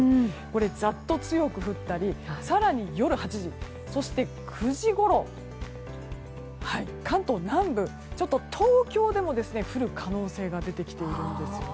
ザッと強く降ったり更に夜８時そして、９時ごろ関東南部や東京でも降る可能性が出てきているんですね。